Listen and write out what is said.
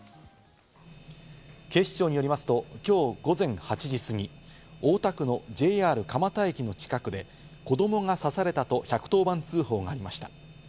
警視庁によりますと今日午前８時過ぎ、大田区のＪＲ蒲田駅の近くで、子供が刺されたと１１０番通報がありました。